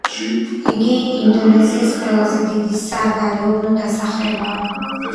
იგი ინდონეზიის ყველაზე დიდი საგარეუბნო დასახლებაა.